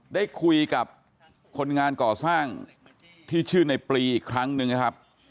ได้คุยกับคนงานก่อสร้างที่ชื่อในปลีอีกครั้งหนึ่งนะครับ